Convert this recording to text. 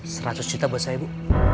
seratus juta buat saya ibu